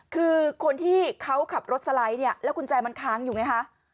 คือคนที่เขาขับรถสไลด์เนี่ยแล้วกุญแจมันค้างอยู่ไงคะ